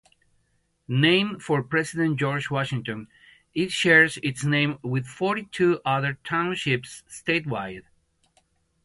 Named for President George Washington it shares its name with forty-two other Townships statewide.